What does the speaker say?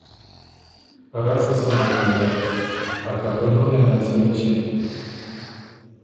رسه سُو نک ویزر، ا کپنُونئ یه نل سُو نِݭِن۔